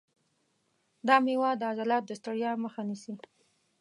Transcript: دا مېوه د عضلاتو د ستړیا مخه نیسي.